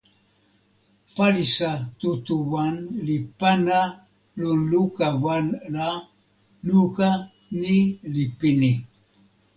palisa tu tu wan li pana lon luka wan la, luka ni li pini.